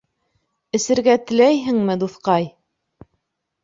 — Эсергә теләйһеңме, дуҫҡай?